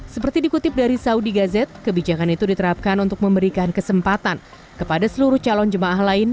seperti dikutip dari saudi gazette kebijakan itu diterapkan untuk memberikan kesempatan kepada seluruh calon jemaah lain